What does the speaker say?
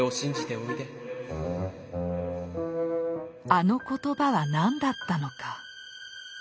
あの言葉は何だったのか。